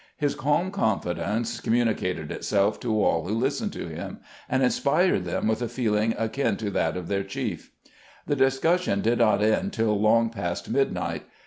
His calm confidence communicated itself to all who listened to him, and inspired them with a feeling akin to that of their chief. The discussion did not end till long past midnight.